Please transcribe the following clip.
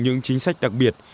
những chính sách đặc biệt